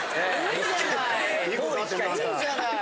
いいじゃない。